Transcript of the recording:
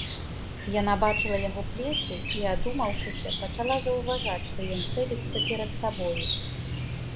Яна бачыла яго плечы і, адумаўшыся, пачала заўважаць, што ён цэліцца перад сабою.